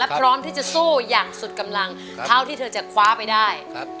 พร้อมที่จะสู้อย่างสุดกำลังเท่าที่เธอจะคว้าไปได้